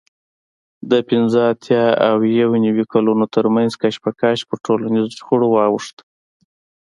د پینځه اتیا او یو نوي کالونو ترمنځ کشمکش پر ټولنیزو شخړو واوښتلو